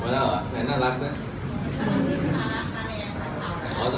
แล้วอ่ะ